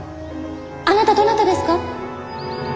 あなたどなたですか？